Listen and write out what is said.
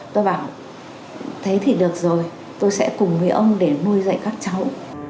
tôi bảo thế thì được rồi tôi sẽ cùng với ông để nuôi dạy các cháu